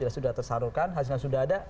sudah tersalurkan hasilnya sudah ada